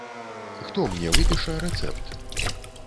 Хто мне выпіша рэцэпт?